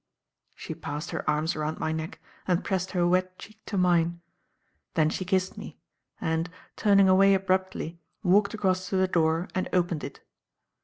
She passed her arms around my neck and pressed her wet cheek to mine; then she kissed me, and, turning away abruptly, walked across to the door and opened it.